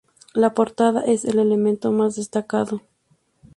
La portada es el elemento más destacado.